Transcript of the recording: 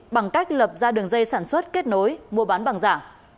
bằng cách lập ra đường dây sản xuất kết nối mua bán bằng giả